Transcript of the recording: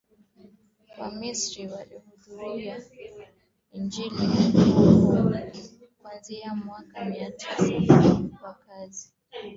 Wamisri walihubiri Injili huko Kuanzia mwaka Mia sita wakazi wengi wa